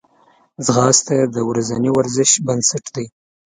ځغاسته د ورځني ورزش بنسټ دی